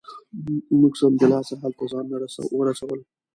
موږ سمدلاسه هلته ځانونه ورسول.